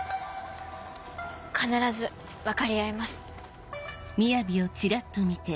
必ず分かり合えます。